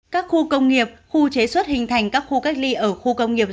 các khu công nghiệp khu chế xuất hình thành các khu cách ly ở khu công nghiệp